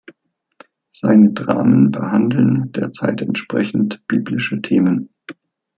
Seine Dramen behandeln, der Zeit entsprechend, biblische Themen.